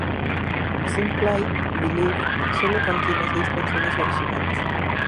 Simply Believe sólo contiene seis canciones originales.